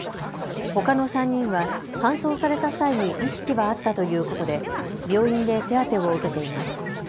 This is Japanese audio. ほかの３人は搬送された際に意識はあったということで病院で手当てを受けています。